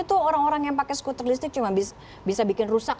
itu orang orang yang pakai skuter listrik cuma bisa bikin rusak